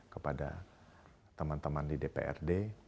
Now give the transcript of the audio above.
kepada teman teman di dprd